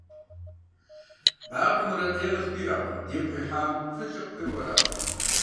Багъым мурад Ӏей къытхуиӀэкъым, дипхъу ихьам фызкӀэ къыхуейуэ аращ.